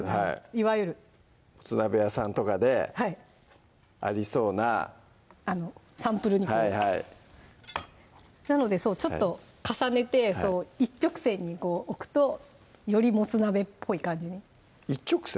いわゆるもつ鍋屋さんとかでありそうなサンプルにこうはいはいなのでそうちょっと重ねて一直線に置くとよりもつ鍋っぽい感じに一直線？